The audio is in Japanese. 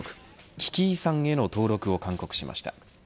危機遺産への登録を勧告しました。